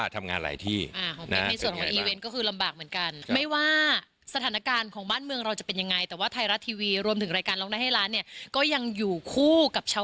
แต่ว่าปีนี้ค่ะ